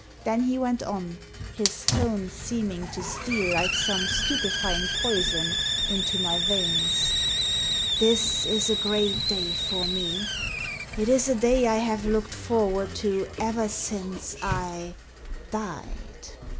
Then he went on, his tone seeming to steal like some stupefying poison into my veins. This is a great day for me. It is a day I have looked forward to ever since I — died.